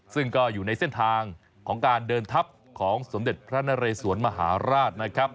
ซึ่งก็อยู่ในเส้นทางของการเดินทัพของสมเด็จพระนเรสวนมหาราชนะครับ